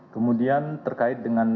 kemudian terkait dengan